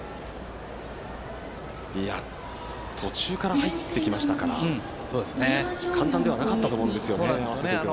途中から入ってきましたから簡単ではなかったと思いますが。